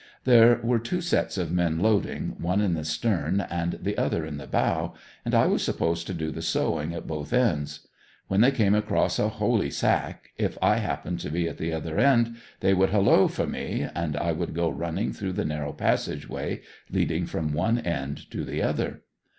There were two sets of men loading, one in the stern and the other in the bow, and I was supposed to do the sewing at both ends. When they came across a holey sack, if I happened to be at the other end they would holloa for me and I would go running through the narrow passage way, leading from one end to the other.